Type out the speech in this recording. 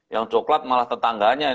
yang coklat malah tetangganya